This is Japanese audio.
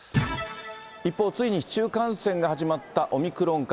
一方、ついに市中感染が始まったオミクロン株。